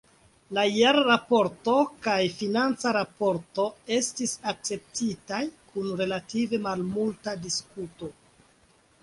La jarraporto kaj financa raporto estis akceptitaj kun relative malmulta diskuto.